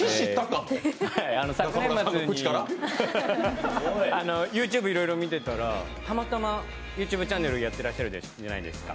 昨年末にＹｏｕＴｕｂｅいろいろ見てたらたまたまＹｏｕＴｕｂｅチャンネルやっていらっしゃるじゃないですか。